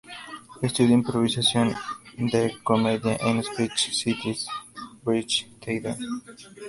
Estudió improvisación de comedia en el Upright Citizens Brigade Theater.